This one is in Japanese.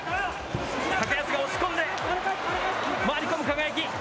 高安が押し込んで、回り込む輝。